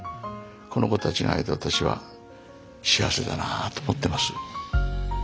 この子たちに会えて私は幸せだなあと思ってます。